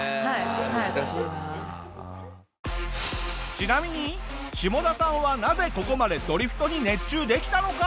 ちなみにシモダさんはなぜここまでドリフトに熱中できたのか？